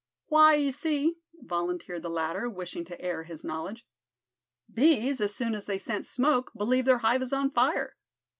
"Why, you see," volunteered the latter, wishing to air his knowledge, "bees, as soon as they scent smoke, believe their hive is on fire.